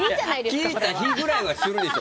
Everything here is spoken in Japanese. あいさつぐらいはするでしょ。